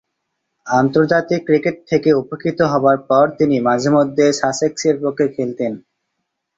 আন্তর্জাতিক ক্রিকেট থেকে উপেক্ষিত হবার পর তিনি মাঝে-মধ্যে সাসেক্সের পক্ষে খেলতেন।